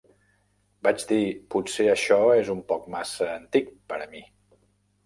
"Vaig dir: 'Potser això és un poc massa antic pera mi.